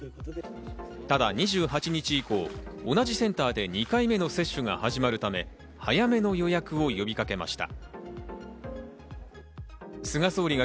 ただ２８日以降、同じセンターで２回目の接種が始まるため早めの予約を呼びかけました。